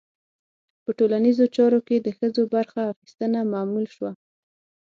په ټولنیزو چارو کې د ښځو برخه اخیستنه معمول شوه.